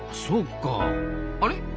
そうかあれ？